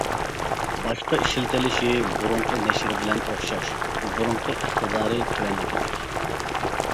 باشقا ئىشلىتىلىشى بۇرۇنقى نەشرى بىلەن ئوخشاش بۇرۇنقى ئىقتىدارى تۆۋەندىكىدەك!